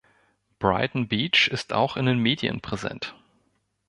Brighton Beach ist auch in den Medien präsent.